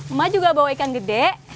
emak juga bawa ikan gede